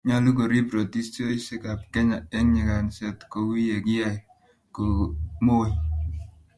nyoolu koriib rotiosiekab Kenya eng nyiganstet kou ye kiyai Kukoe Moi